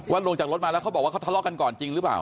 ลงจากรถมาแล้วเขาบอกว่าเขาทะเลาะกันก่อนจริงหรือเปล่า